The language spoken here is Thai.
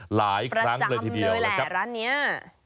หลายครั้งเลยทีเดียวนะครับร้านนี้ประจำเลยแหละ